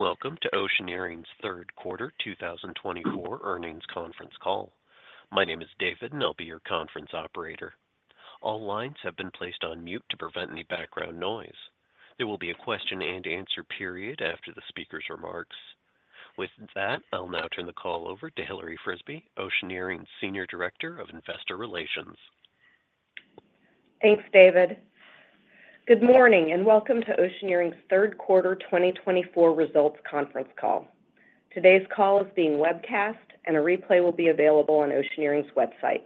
Welcome to Oceaneering's third quarter 2024 earnings conference call. My name is David, and I'll be your conference operator. All lines have been placed on mute to prevent any background noise. There will be a question-and-answer period after the speaker's remarks. With that, I'll now turn the call over to Hilary Frisbie, Oceaneering's Senior Director of Investor Relations. Thanks, David. Good morning, and welcome to Oceaneering's third quarter 2024 results conference call. Today's call is being webcast, and a replay will be available on Oceaneering's website.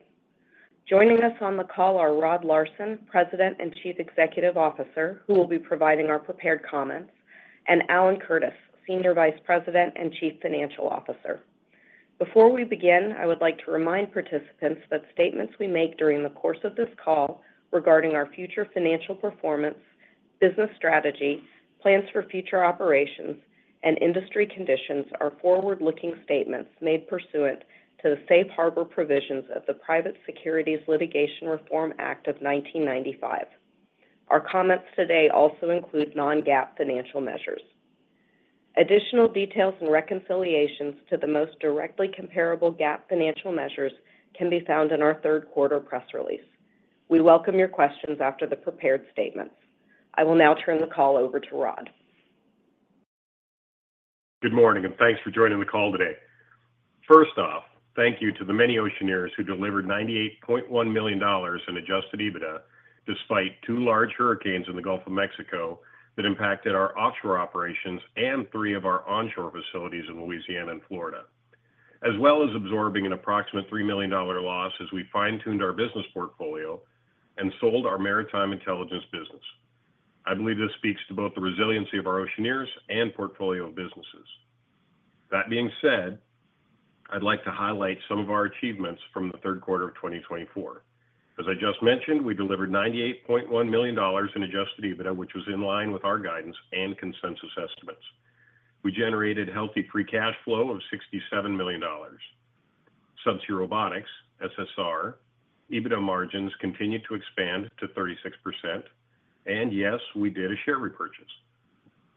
Joining us on the call are Rod Larson, President and Chief Executive Officer, who will be providing our prepared comments, and Alan Curtis, Senior Vice President and Chief Financial Officer. Before we begin, I would like to remind participants that statements we make during the course of this call regarding our future financial performance, business strategy, plans for future operations, and industry conditions are forward-looking statements made pursuant to the Safe Harbor provisions of the Private Securities Litigation Reform Act of 1995. Our comments today also include non-GAAP financial measures. Additional details and reconciliations to the most directly comparable GAAP financial measures can be found in our third quarter press release. We welcome your questions after the prepared statements. I will now turn the call over to Rod. Good morning, and thanks for joining the call today. First off, thank you to the many Oceaneers who delivered $98.1 million in adjusted EBITDA, despite two large hurricanes in the Gulf of Mexico that impacted our offshore operations and three of our onshore facilities in Louisiana and Florida, as well as absorbing an approximate $3 million loss as we fine-tuned our business portfolio and sold our Maritime Intelligence business. I believe this speaks to both the resiliency of our Oceaneers and portfolio of businesses. That being said, I'd like to highlight some of our achievements from the third quarter of 2024. As I just mentioned, we delivered $98.1 million in adjusted EBITDA, which was in line with our guidance and consensus estimates. We generated healthy free cash flow of $67 million. Subsea Robotics (SSR) EBITDA margins continued to expand to 36%, and yes, we did a share repurchase.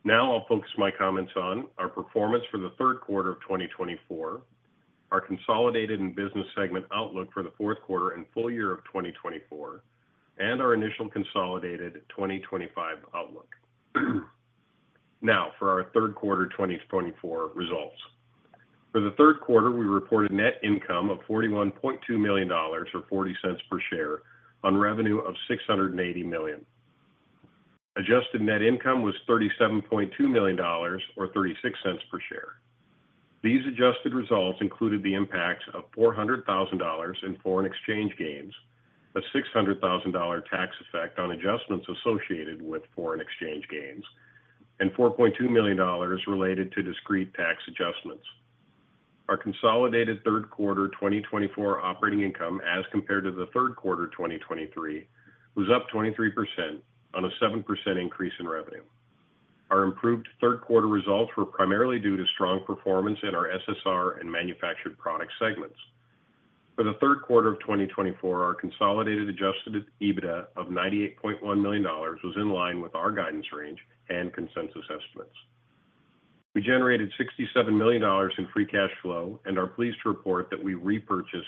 Now I'll focus my comments on our performance for the third quarter of 2024, our consolidated and business segment outlook for the fourth quarter and full year of 2024, and our initial consolidated 2025 outlook. Now, for our third quarter 2024 results. For the third quarter, we reported net income of $41.2 million, or $0.40 per share, on revenue of $680 million. Adjusted net income was $37.2 million, or $0.36 per share. These adjusted results included the impact of $400,000 in foreign exchange gains, a $600,000 tax effect on adjustments associated with foreign exchange gains, and $4.2 million related to discrete tax adjustments. Our consolidated third quarter 2024 operating income, as compared to the third quarter of 2023, was up 23% on a 7% increase in revenue. Our improved third quarter results were primarily due to strong performance in our SSR and Manufactured Products segments. For the third quarter of 2024, our consolidated adjusted EBITDA of $98.1 million was in line with our guidance range and consensus estimates. We generated $67 million in free cash flow and are pleased to report that we repurchased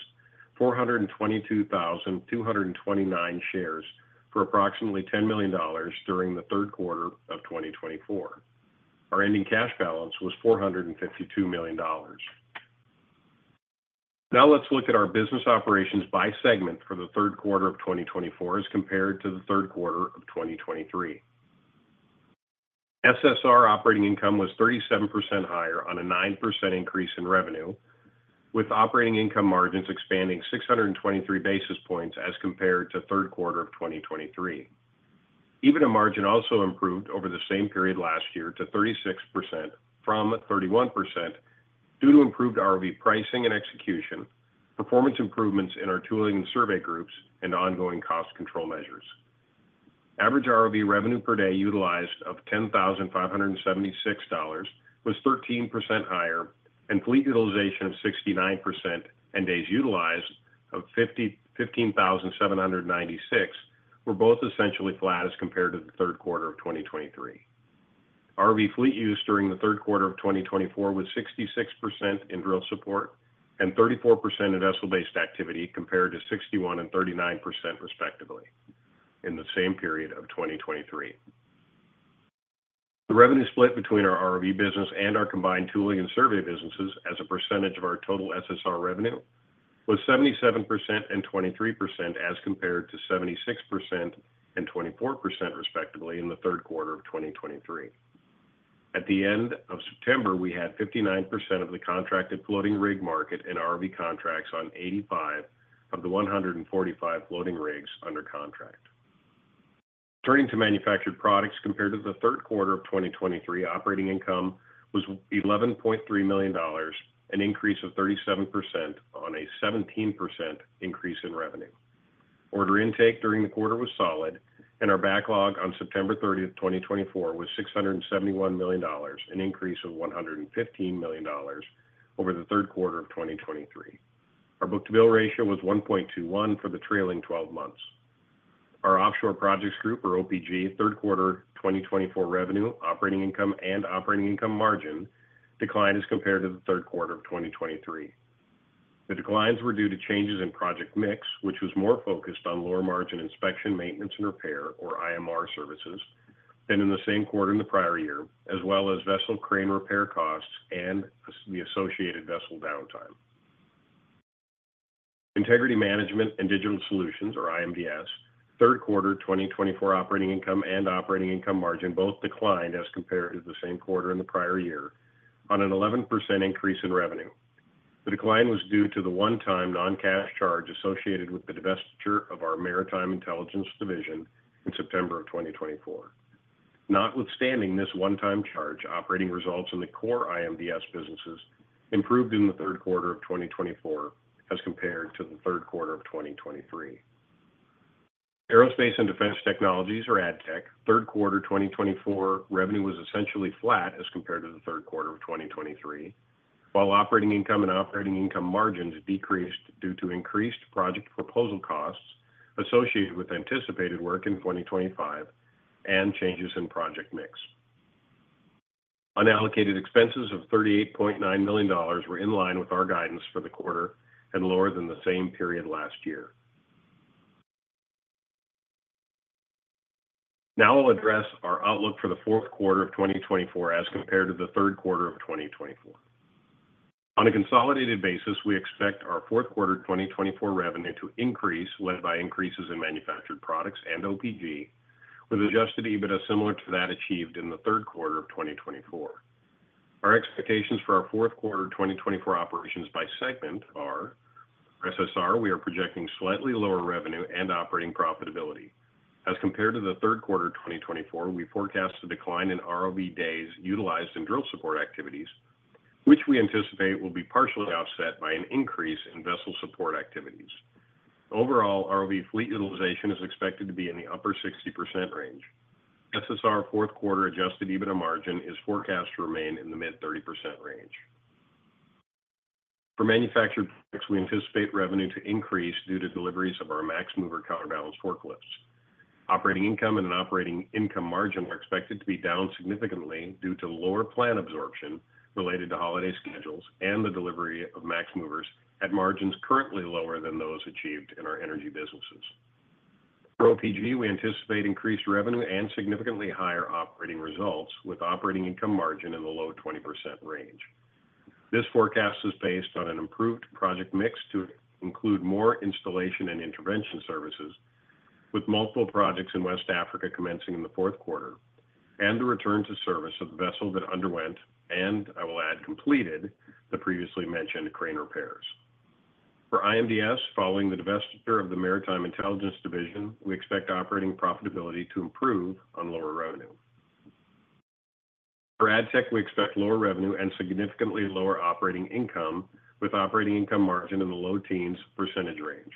422,229 shares for approximately $10 million during the third quarter of 2024. Our ending cash balance was $452 million. Now let's look at our business operations by segment for the third quarter of 2024 as compared to the third quarter of 2023. SSR operating income was 37% higher on a 9% increase in revenue, with operating income margins expanding 623 basis points as compared to third quarter of 2023. EBITDA margin also improved over the same period last year to 36% from 31% due to improved ROV pricing and execution, performance improvements in our Tooling and Survey groups, and ongoing cost control measures. Average ROV revenue per day utilized of $10,576 was 13% higher, and fleet utilization of 69% and days utilized of 15,796 were both essentially flat as compared to the third quarter of 2023. ROV fleet use during the third quarter of 2024 was 66% in drill support and 34% in vessel-based activity, compared to 61% and 39%, respectively, in the same period of 2023. The revenue split between our ROV business and our combined Tooling and Survey businesses as a percentage of our total SSR revenue was 77% and 23%, as compared to 76% and 24%, respectively, in the third quarter of 2023. At the end of September, we had 59% of the contracted floating rig market and ROV contracts on 85 of the 145 floating rigs under contract. Turning to Manufactured Products, compared to the third quarter of 2023, operating income was $11.3 million, an increase of 37% on a 17% increase in revenue. Order intake during the quarter was solid, and our backlog on September 30th, 2024, was $671 million, an increase of $115 million over the third quarter of 2023. Our book-to-bill ratio was 1.21 for the trailing twelve months. Our Offshore Projects Group, or OPG, third quarter 2024 revenue, operating income, and operating income margin declined as compared to the third quarter of 2023. The declines were due to changes in project mix, which was more focused on lower margin inspection, maintenance, and repair, or IMR services, than in the same quarter in the prior year, as well as vessel crane repair costs and the associated vessel downtime. Integrity Management and Digital Solutions, or IMDS, third quarter 2024 operating income and operating income margin both declined as compared to the same quarter in the prior year on an 11% increase in revenue. The decline was due to the one-time non-cash charge associated with the divestiture of our Maritime Intelligence division in September of 2024. Notwithstanding this one-time charge, operating results in the core IMDS businesses improved in the third quarter of 2024 as compared to the third quarter of 2023. Aerospace and Defense Technologies, or ADTech, third quarter 2024 revenue was essentially flat as compared to the third quarter of 2023, while operating income and operating income margins decreased due to increased project proposal costs associated with anticipated work in 2025 and changes in project mix. Unallocated expenses of $38.9 million were in line with our guidance for the quarter and lower than the same period last year. Now I'll address our outlook for the fourth quarter of 2024 as compared to the third quarter of 2024. On a consolidated basis, we expect our fourth quarter 2024 revenue to increase, led by increases in Manufactured Products and OPG, with adjusted EBITDA similar to that achieved in the third quarter of 2024. Our expectations for our fourth quarter 2024 operations by segment are: SSR, we are projecting slightly lower revenue and operating profitability. As compared to the third quarter 2024, we forecast a decline in ROV days utilized in drill support activities, which we anticipate will be partially offset by an increase in vessel support activities. Overall, ROV fleet utilization is expected to be in the upper 60% range. SSR fourth quarter adjusted EBITDA margin is forecast to remain in the mid-30% range. For Manufactured Products, we anticipate revenue to increase due to deliveries of our MaxMover Counterbalance forklifts. Operating income and an operating income margin are expected to be down significantly due to lower plant absorption related to holiday schedules and the delivery of MaxMovers at margins currently lower than those achieved in our energy businesses. For OPG, we anticipate increased revenue and significantly higher operating results, with operating income margin in the low-20% range. This forecast is based on an improved project mix to include more installation and intervention services, with multiple projects in West Africa commencing in the fourth quarter, and the return to service of the vessel that underwent, and I will add, completed the previously mentioned crane repairs. For IMDS, following the divestiture of the Maritime Intelligence division, we expect operating profitability to improve on lower revenue. For ADTech, we expect lower revenue and significantly lower operating income, with operating income margin in the low teens percentage range.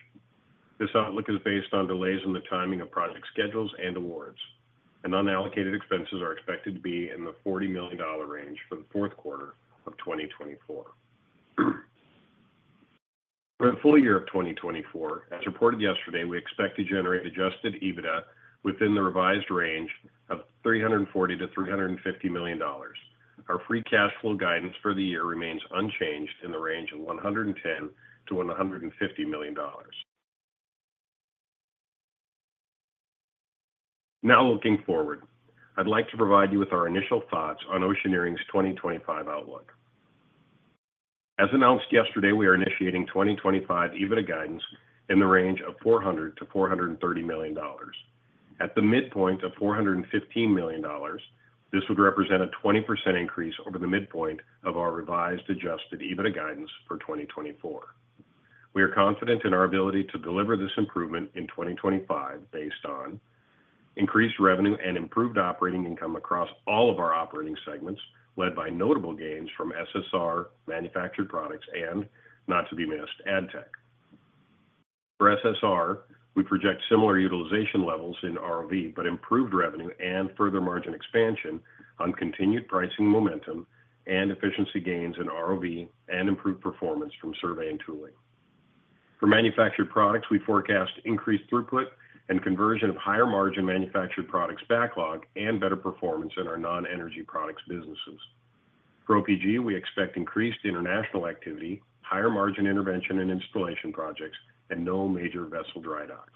This outlook is based on delays in the timing of project schedules and awards, and unallocated expenses are expected to be in the $40 million range for the fourth quarter of 2024. For the full year of 2024, as reported yesterday, we expect to generate adjusted EBITDA within the revised range of $340 million-$350 million. Our free cash flow guidance for the year remains unchanged in the range of $110 million-$150 million. Now, looking forward, I'd like to provide you with our initial thoughts on Oceaneering's 2025 outlook. As announced yesterday, we are initiating 2025 EBITDA guidance in the range of $400 million-$430 million. At the midpoint of $415 million, this would represent a 20% increase over the midpoint of our revised adjusted EBITDA guidance for 2024. We are confident in our ability to deliver this improvement in 2025 based on increased revenue and improved operating income across all of our operating segments, led by notable gains from SSR, Manufactured Products and, not to be missed, ADTech. For SSR, we project similar utilization levels in ROV, but improved revenue and further margin expansion on continued pricing momentum and efficiency gains in ROV and improved performance from Survey and Tooling. For Manufactured Products, we forecast increased throughput and conversion of higher margin Manufactured Products backlog and better performance in our non-energy products businesses. For OPG, we expect increased international activity, higher margin intervention and installation projects, and no major vessel dry docks.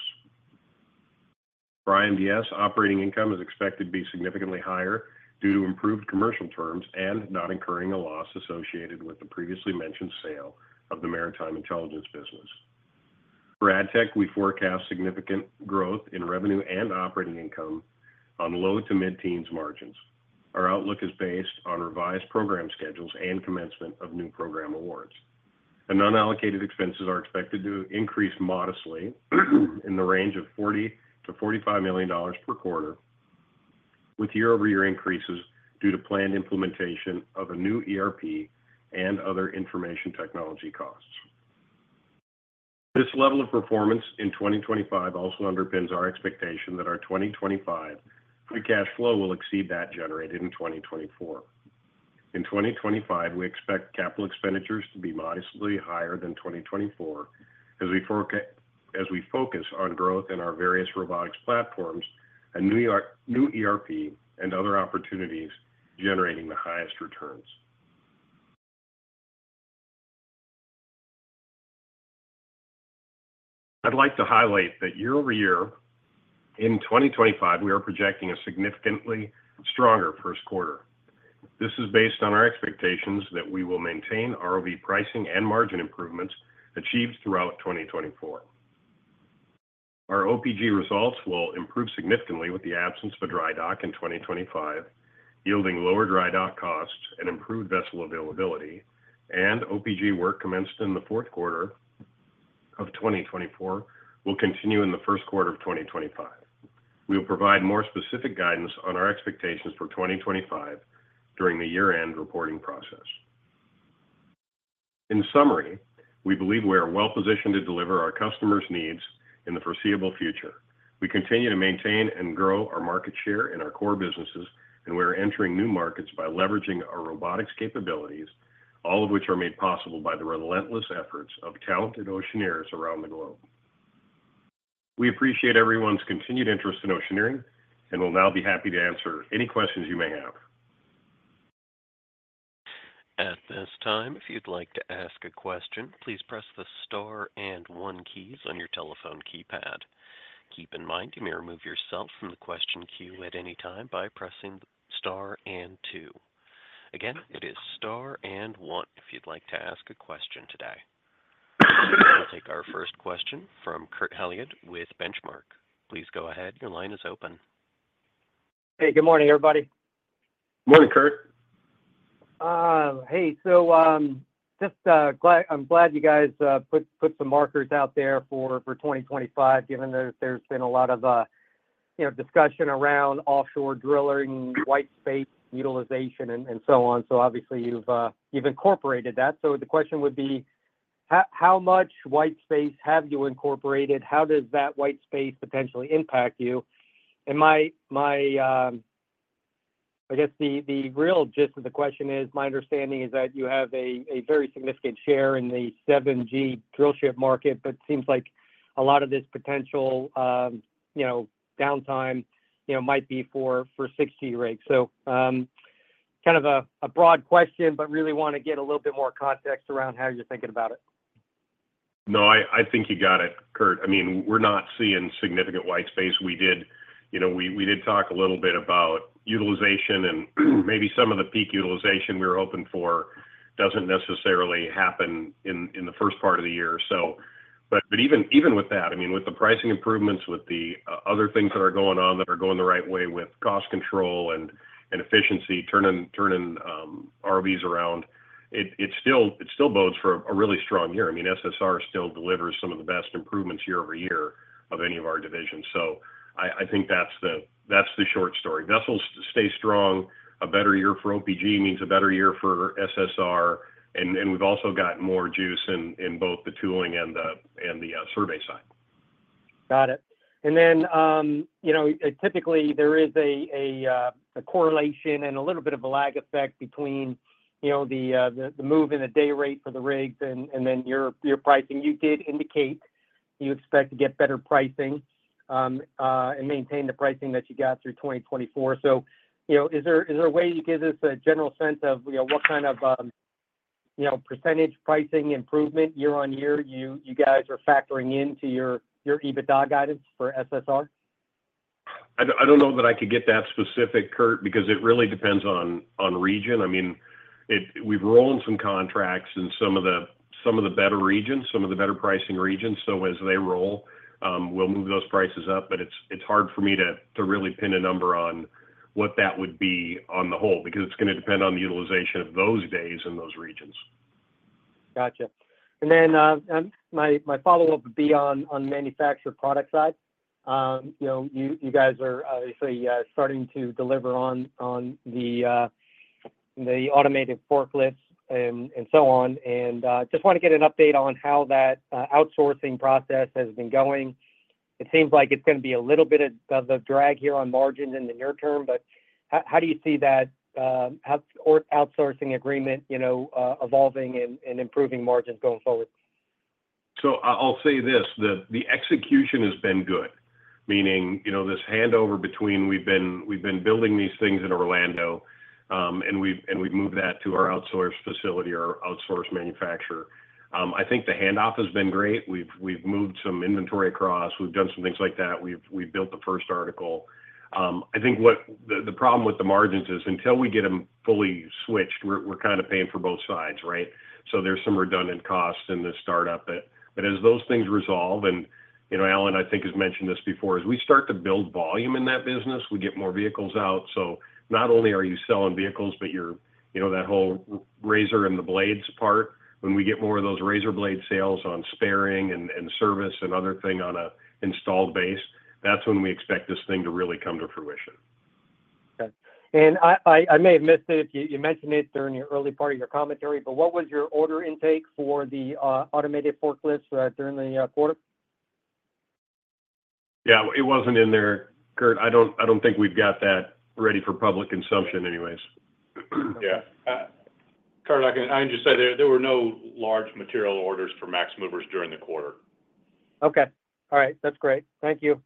For IMDS, operating income is expected to be significantly higher due to improved commercial terms and not incurring a loss associated with the previously mentioned sale of the Maritime Intelligence business. For ADTech, we forecast significant growth in revenue and operating income on low to mid-teens margins. Our outlook is based on revised program schedules and commencement of new program awards, and unallocated expenses are expected to increase modestly, in the range of $40 million-$45 million per quarter, with year-over-year increases due to planned implementation of a new ERP and other information technology costs. This level of performance in 2025 also underpins our expectation that our 2025 free cash flow will exceed that generated in 2024. In 2025, we expect capital expenditures to be modestly higher than 2024, as we focus on growth in our various robotics platforms and new ERP and other opportunities generating the highest returns. I'd like to highlight that year-over-year, in 2025, we are projecting a significantly stronger first quarter. This is based on our expectations that we will maintain ROV pricing and margin improvements achieved throughout 2024. Our OPG results will improve significantly with the absence of a dry dock in 2025, yielding lower dry dock costs and improved vessel availability, and OPG work commenced in the fourth quarter of 2024 will continue in the first quarter of 2025. We will provide more specific guidance on our expectations for 2025 during the year-end reporting process. In summary, we believe we are well positioned to deliver our customers' needs in the foreseeable future. We continue to maintain and grow our market share in our core businesses, and we are entering new markets by leveraging our robotics capabilities, all of which are made possible by the relentless efforts of talented Oceaneers around the globe. We appreciate everyone's continued interest in Oceaneering and will now be happy to answer any questions you may have. At this time, if you'd like to ask a question, please press the star and one keys on your telephone keypad. Keep in mind, you may remove yourself from the question queue at any time by pressing star and two. Again, it is star and one if you'd like to ask a question today. We'll take our first question from Kurt Hallead with Benchmark. Please go ahead. Your line is open. Hey, good morning, everybody. Morning, Kurt. Hey, so just, I'm glad you guys put some markers out there for 2025, given that there's been a lot of, you know, discussion around offshore driller and white space utilization and so on. So obviously, you've incorporated that. So the question would be, how much white space have you incorporated? How does that white space potentially impact you? And my, I guess the real gist of the question is, my understanding is that you have a very significant share in the 7G drillship market, but it seems like a lot of this potential, you know, downtime might be for 6G rigs. So kind of a broad question, but really wanna get a little bit more context around how you're thinking about it. No, I think you got it, Kurt. I mean, we're not seeing significant white space. We did, you know, we did talk a little bit about utilization and maybe some of the peak utilization we were hoping for doesn't necessarily happen in the first part of the year or so. But even with that, I mean, with the pricing improvements, with the other things that are going on that are going the right way with cost control and efficiency, turning ROVs around, it still bodes for a really strong year. I mean, SSR still delivers some of the best improvements year over year of any of our divisions. So I think that's the short story. Vessels stay strong. A better year for OPG means a better year for SSR, and we've also got more juice in both the Tooling and the survey side. Got it. And then, you know, typically there is a correlation and a little bit of a lag effect between, you know, the move in the day rate for the rigs and then your pricing. You did indicate you expect to get better pricing and maintain the pricing that you got through 2024. So, you know, is there a way you give us a general sense of, you know, what kind of percentage pricing improvement year on year you guys are factoring into your EBITDA guidance for SSR? I don't know that I could get that specific, Kurt, because it really depends on region. I mean, we've rolled some contracts in some of the better regions, some of the better pricing regions. So as they roll, we'll move those prices up. But it's hard for me to really pin a number on what that would be on the whole, because it's gonna depend on the utilization of those days in those regions. Gotcha. And then, my follow-up would be on the Manufactured Products side. You know, you guys are obviously starting to deliver on the automated forklifts and so on. And just wanna get an update on how that outsourcing process has been going. It seems like it's gonna be a little bit of drag here on margins in the near term, but how do you see that outsourcing agreement, you know, evolving and improving margins going forward? So I'll say this: the execution has been good, meaning, you know, this handover between we've been building these things in Orlando, and we've moved that to our outsourced facility or outsourced manufacturer. I think the handoff has been great. We've moved some inventory across. We've done some things like that. We've built the first article. I think what the problem with the margins is, until we get them fully switched, we're kind of paying for both sides, right? So there's some redundant costs in the startup, but as those things resolve, and, you know, Alan, I think, has mentioned this before, as we start to build volume in that business, we get more vehicles out. Not only are you selling vehicles, but you're, you know, that whole razor and the blades part, when we get more of those razor blade sales on sparing and service and other thing on an installed base, that's when we expect this thing to really come to fruition. Okay. And I may have missed it if you mentioned it during your early part of your commentary, but what was your order intake for the automated forklifts during the quarter? .Yeah, it wasn't in there, Kurt. I don't think we've got that ready for public consumption anyways. Yeah. Kurt, I can just say there were no large material orders for MaxMover during the quarter. Okay. All right. That's great. Thank you.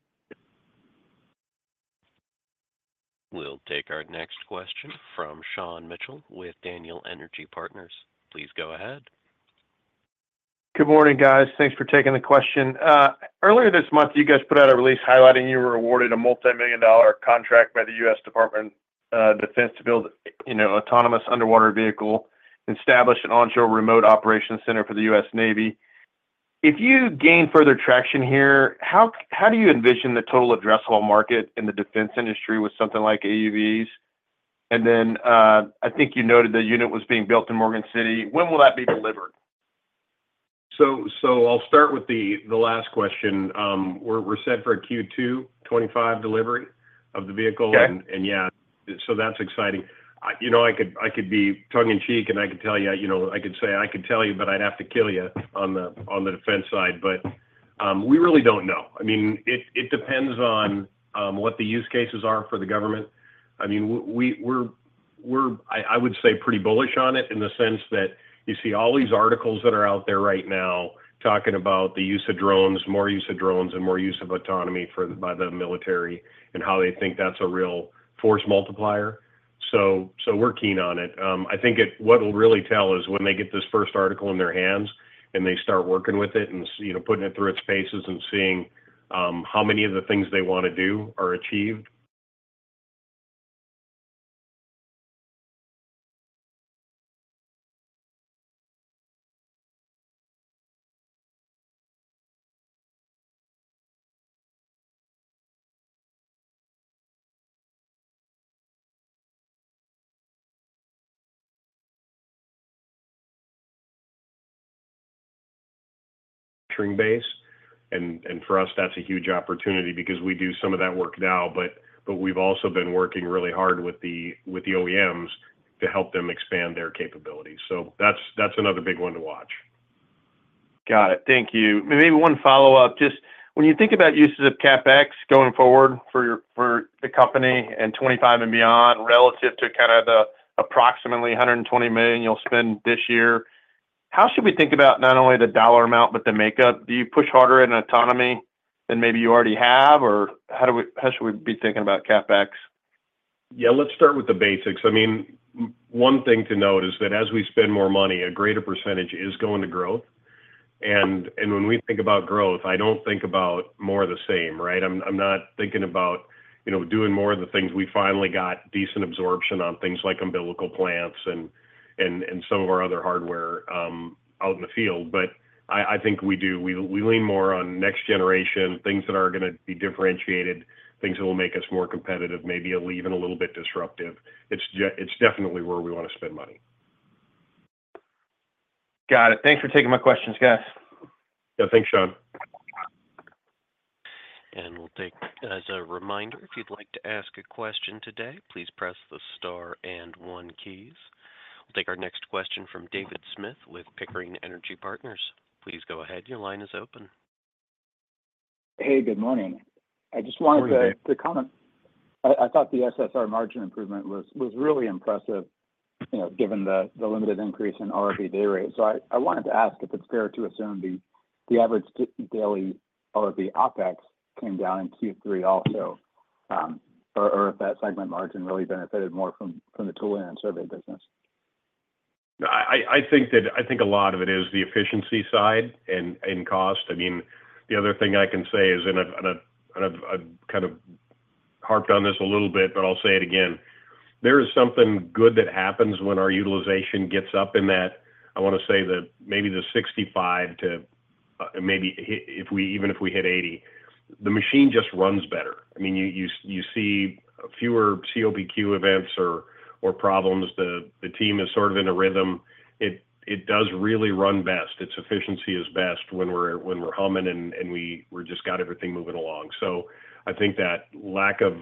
We'll take our next question from Sean Mitchell with Daniel Energy Partners. Please go ahead. Good morning, guys. Thanks for taking the question. Earlier this month, you guys put out a release highlighting you were awarded a multimillion-dollar contract by the U.S. Department of Defense to build, you know, autonomous underwater vehicle, establish an onshore remote operation center for the U.S. Navy. If you gain further traction here, how do you envision the total addressable market in the defense industry with something like AUVs? And then, I think you noted the unit was being built in Morgan City. When will that be delivered? So, I'll start with the last question. We're set for a Q2 2025 delivery of the vehicle. Okay. Yeah, so that's exciting. You know, I could be tongue-in-cheek, and I could tell you, you know, I could say, "I could tell you, but I'd have to kill you," on the defense side, but we really don't know. I mean, it depends on what the use cases are for the government. I mean, we would say pretty bullish on it in the sense that you see all these articles that are out there right now talking about the use of drones, more use of drones, and more use of autonomy by the military, and how they think that's a real force multiplier. So we're keen on it. I think what will really tell is when they get this first article in their hands and they start working with it and you know, putting it through its paces and seeing how many of the things they want to do are achieved. Manufacturing base, and for us, that's a huge opportunity because we do some of that work now, but we've also been working really hard with the OEMs to help them expand their capabilities. So that's another big one to watch. Got it. Thank you. Maybe one follow-up, just when you think about uses of CapEx going forward for your, for the company in 2025 and beyond, relative to kind of the approximately $120 million you'll spend this year, how should we think about not only the dollar amount, but the makeup? Do you push harder in autonomy than maybe you already have, or how should we be thinking about CapEx? Yeah, let's start with the basics. I mean, one thing to note is that as we spend more money, a greater percentage is going to growth. And when we think about growth, I don't think about more of the same, right? I'm not thinking about, you know, doing more of the things we finally got decent absorption on, things like umbilical plants and some of our other hardware out in the field. But I think we do. We lean more on next generation, things that are gonna be differentiated, things that will make us more competitive, maybe even a little bit disruptive. It's definitely where we want to spend money. Got it. Thanks for taking my questions, guys. Yeah. Thanks, Sean. And we'll take. As a reminder, if you'd like to ask a question today, please press the star and one keys. We'll take our next question from David Smith with Pickering Energy Partners. Please go ahead. Your line is open. Hey, good morning. Good morning, Dave. I just wanted to comment. I thought the SSR margin improvement was really impressive, you know, given the limited increase in ROV day rate. So I wanted to ask if it's fair to assume the average daily ROV OpEx came down in Q3 also, or if that segment margin really benefited more from the Tooling and Survey business. I think a lot of it is the efficiency side and cost. I mean, the other thing I can say is and I've kind of harped on this a little bit, but I'll say it again: There is something good that happens when our utilization gets up in that, I wanna say, maybe 65, even if we hit 80. The machine just runs better. I mean, you see fewer COPQ events or problems. The team is sort of in a rhythm. It does really run best, its efficiency is best when we're humming, and we've just got everything moving along. So I think that lack of,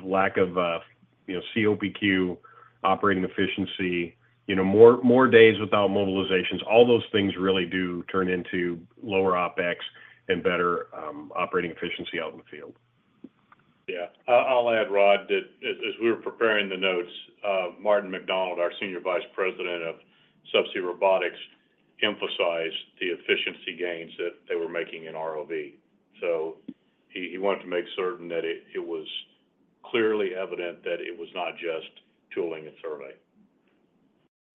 you know, COPQ, operating efficiency, you know, more days without mobilizations, all those things really do turn into lower OpEx and better operating efficiency out in the field. Yeah. I'll add, Rod, that as we were preparing the notes, Martin McDonald, our Senior Vice President of Subsea Robotics, emphasized the efficiency gains that they were making in ROV. So he wanted to make certain that it was clearly evident that it was not just Tooling and Survey.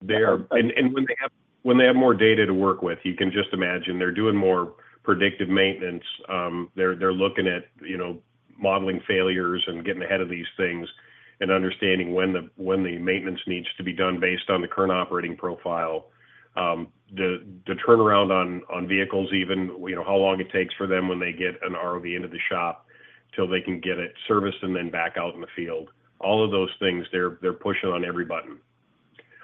They are- When they have more data to work with, you can just imagine they're doing more predictive maintenance. They're looking at, you know, modeling failures and getting ahead of these things and understanding when the maintenance needs to be done based on the current operating profile. The turnaround on vehicles even, you know, how long it takes for them when they get an ROV into the shop till they can get it serviced and then back out in the field. All of those things, they're pushing on every button.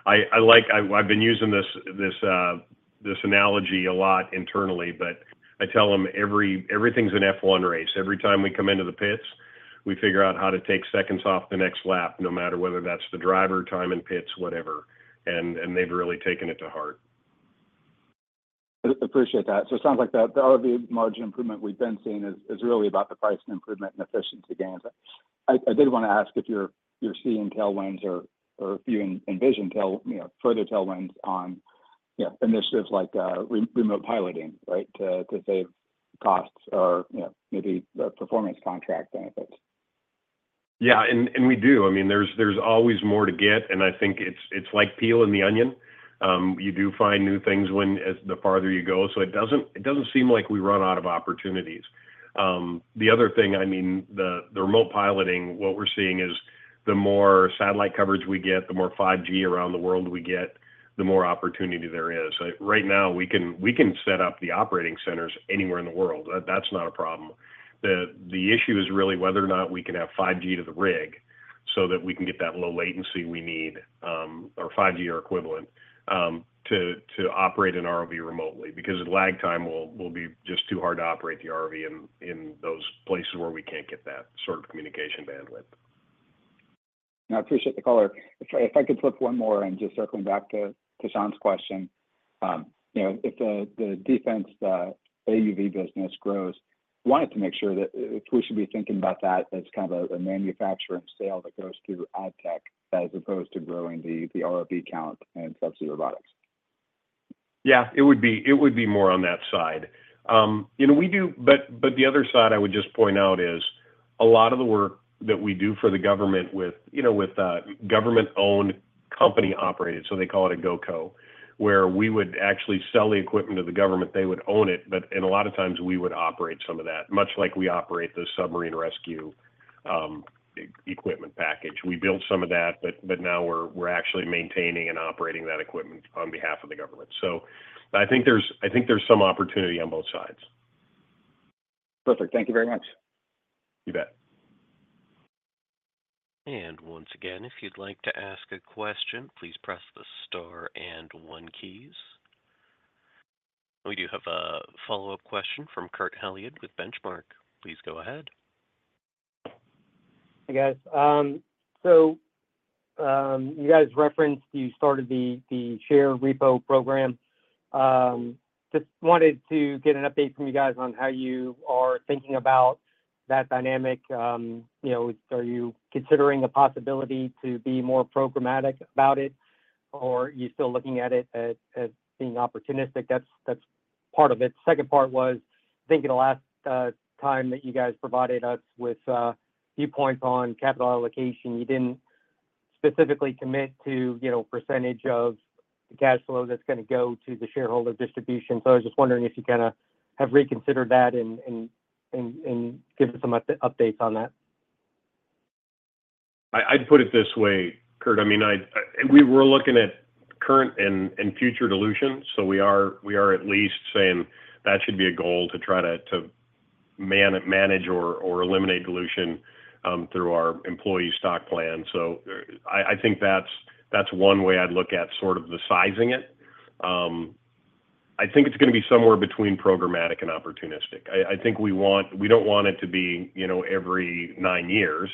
I've been using this analogy a lot internally, but I tell them, "Everything's an F1 race. Every time we come into the pits, we figure out how to take seconds off the next lap, no matter whether that's the driver, time in pits, whatever," and they've really taken it to heart. I appreciate that. So it sounds like the ROV margin improvement we've been seeing is really about the price improvement and efficiency gains. I did wanna ask if you're seeing tailwinds or if you envision, you know, further tailwinds on, you know, initiatives like remote piloting, right? To save costs or, you know, maybe performance contract benefits. Yeah, and we do. I mean, there's always more to get, and I think it's like peeling the onion. You do find new things when as the farther you go, so it doesn't seem like we run out of opportunities. The other thing, I mean, the remote piloting, what we're seeing is the more satellite coverage we get, the more 5G around the world we get, the more opportunity there is. So right now, we can set up the operating centers anywhere in the world. That's not a problem. The issue is really whether or not we can have 5G to the rig so that we can get that low latency we need, or 5G or equivalent, to operate an ROV remotely, because the lag time will be just too hard to operate the ROV in those places where we can't get that sort of communication bandwidth. I appreciate the color. If I could flip one more and just circling back to Sean's question. You know, if the defense AUV business grows, wanted to make sure that if we should be thinking about that as kind of a manufacturing sale that goes through ADTech as opposed to growing the ROV count and Subsea Robotics. Yeah, it would be, it would be more on that side. You know, we do. But the other side I would just point out is a lot of the work that we do for the government with, you know, with government-owned, company-operated, so they call it a GOCO, where we would actually sell the equipment to the government. They would own it, but and a lot of times we would operate some of that, much like we operate the submarine rescue equipment package. We build some of that, but now we're actually maintaining and operating that equipment on behalf of the government. So I think there's some opportunity on both sides. Perfect. Thank you very much. You bet. And once again, if you'd like to ask a question, please press the star and one keys. We do have a follow-up question from Kurt Hallead with Benchmark. Please go ahead. Hey, guys. So, you guys referenced you started the share repo program. Just wanted to get an update from you guys on how you are thinking about that dynamic. You know, are you considering the possibility to be more programmatic about it, or are you still looking at it as being opportunistic? That's part of it. Second part was, I think in the last time that you guys provided us with viewpoints on capital allocation, you didn't specifically commit to, you know, percentage of the cash flow that's gonna go to the shareholder distribution. So I was just wondering if you kinda have reconsidered that and give us some updates on that. I'd put it this way, Kurt. I mean, we're looking at current and future dilution, so we are at least saying that should be a goal to try to manage or eliminate dilution through our employee stock plan. So I think that's one way I'd look at sort of the sizing it. I think it's gonna be somewhere between programmatic and opportunistic. I think we want-- we don't want it to be, you know, every nine years,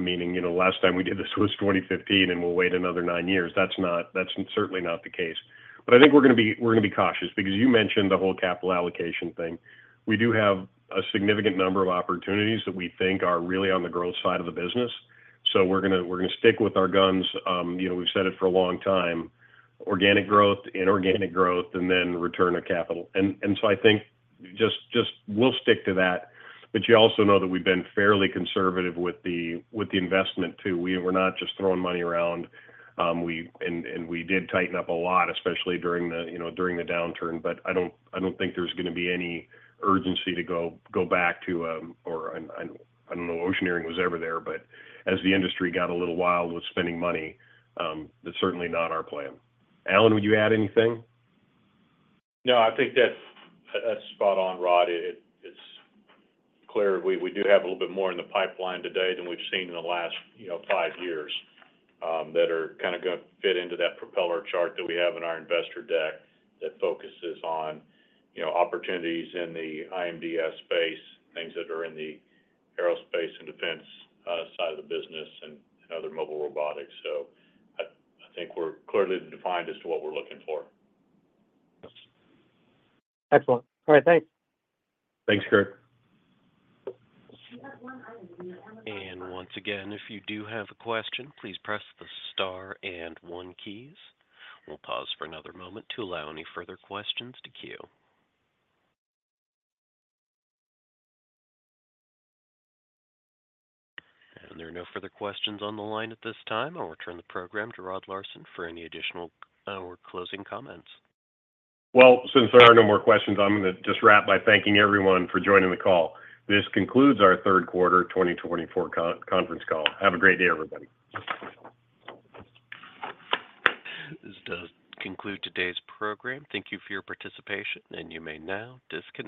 meaning, you know, last time we did this was 2015, and we'll wait another nine years. That's not-- That's certainly not the case. But I think we're gonna be cautious because you mentioned the whole capital allocation thing. We do have a significant number of opportunities that we think are really on the growth side of the business, so we're gonna stick with our guns. You know, we've said it for a long time, organic growth, inorganic growth, and then return of capital. So I think we'll stick to that. But you also know that we've been fairly conservative with the investment, too. We're not just throwing money around. And we did tighten up a lot, especially during, you know, the downturn. But I don't think there's gonna be any urgency to go back to, or I don't know, Oceaneering was ever there, but as the industry got a little wild with spending money, that's certainly not our plan. Alan, would you add anything? No, I think that's, that's spot on, Rod. It, it's clear. We, we do have a little bit more in the pipeline today than we've seen in the last, you know, five years, that are kinda gonna fit into that propeller chart that we have in our investor deck that focuses on, you know, opportunities in the IMDS space, things that are in the Aerospace and Defense side of the business and other mobile robotics. So I, I think we're clearly defined as to what we're looking for. Excellent. All right, thanks. Thanks, Kurt. Once again, if you do have a question, please press the star and one keys. We'll pause for another moment to allow any further questions to queue. There are no further questions on the line at this time. I'll return the program to Rod Larson for any additional or closing comments. Since there are no more questions, I'm gonna just wrap by thanking everyone for joining the call. This concludes our third quarter 2024 conference call. Have a great day, everybody. This does conclude today's program. Thank you for your participation, and you may now disconnect.